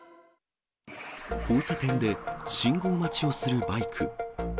交差点で、信号待ちをするバイク。